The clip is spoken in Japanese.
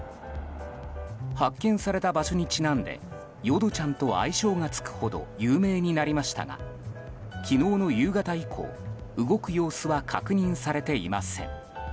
発見された場所にちなんで淀ちゃんと愛称がつくほど有名になりましたが昨日の夕方以降、動く様子は確認されていません。